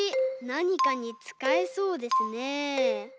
なにかにつかえそうですね。